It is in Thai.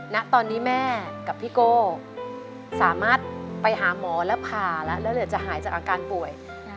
ณตอนนี้แม่กับพี่โก้สามารถไปหาหมอแล้วผ่าแล้วแล้วเหลือจะหายจากอาการป่วย